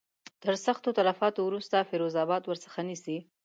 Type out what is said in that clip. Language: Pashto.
تر سختو تلفاتو وروسته فیروز آباد ورڅخه نیسي.